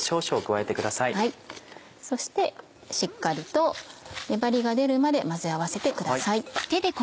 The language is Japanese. そしてしっかりと粘りが出るまで混ぜ合わせてください。